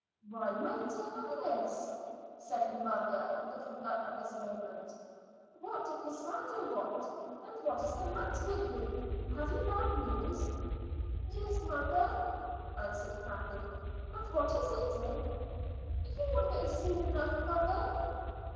"Why, my dear Alice," said her mother, looking up at this moment, "what did Cassandra want? And what is the matter with you? Have you had bad news?" "Yes, mother," answered Alice. "But what is it, dear?" "You will know soon enough, mother."